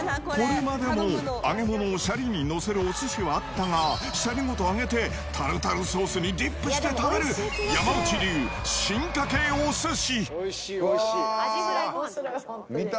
これまでも揚げ物をシャリに載せるお寿司はあったが、シャリごと揚げてタルタルソースにディップして食べる、山内流進化系お寿司。